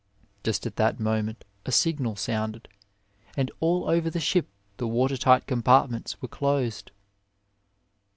Just at that moment a signal sounded, and all over the ship the water tight compartments were closed.